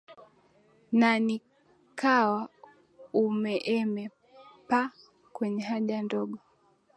na nikawa ume eme pa kwenye haja ndogo